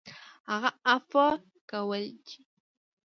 هغه عفوه کول دي .